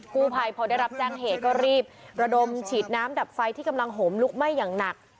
กู้ภัยพอได้รับแจ้งเหตุก็รีบระดมฉีดน้ำดับไฟที่กำลังห่มลุกไหม้อย่างหนัก